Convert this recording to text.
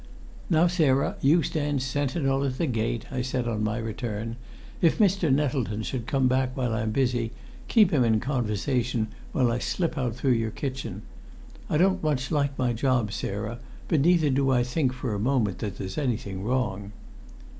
"Now, Sarah, you stand sentinel at the gate," I said on my return. "If Mr. Nettleton should come back while I'm busy, keep him in conversation while I slip out through your kitchen. I don't much like my job, Sarah, but neither do I think for a moment that there's anything wrong."